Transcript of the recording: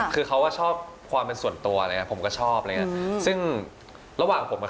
คือเขาชอบความเป็นส่วนตัวผมก็ชอบซึ่งระหว่างผมตอนนั้น